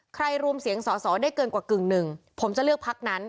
รวมเสียงสอสอได้เกินกว่ากึ่งหนึ่งผมจะเลือกพักนั้น